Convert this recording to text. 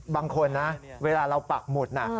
บางคนเวลาเราปักหมุด